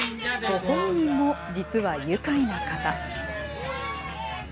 ご本人も実は愉快な方。